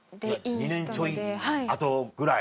２年ちょい後ぐらい？